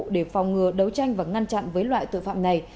để phòng ngừa đấu tranh và ngăn chặn với loại tội phạm này